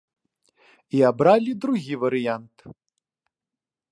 І абралі другі варыянт.